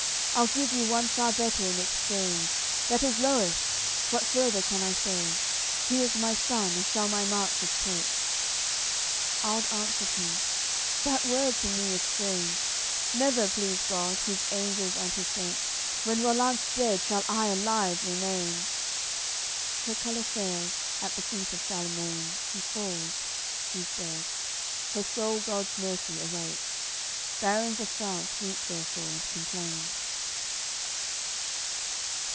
I'll give you one far better in exchange, That is Loewis, what further can I say; He is my son, and shall my marches take." Alde answered him: "That word to me is strange. Never, please God, His Angels and His Saints, When Rollant's dead shall I alive remain!" Her colour fails, at th' feet of Charlemain, She falls; she's dead. Her soul God's Mercy awaits! Barons of France weep therefore and complain.